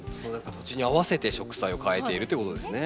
土地に合わせて植栽をかえているということですね。